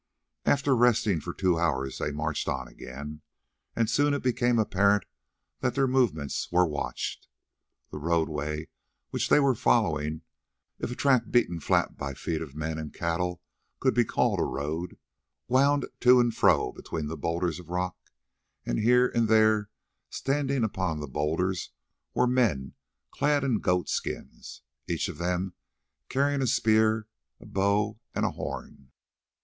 After resting for two hours they marched on again, and soon it became apparent that their movements were watched. The roadway which they were following—if a track beaten flat by the feet of men and cattle could be called a road—wound to and fro between boulders of rock, and here and there standing upon the boulders were men clad in goat skins, each of them carrying a spear, a bow and a horn.